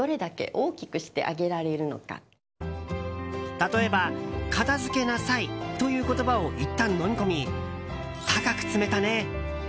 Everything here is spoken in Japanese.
例えば、片付けなさい！という言葉をいったんのみ込み高く積めたね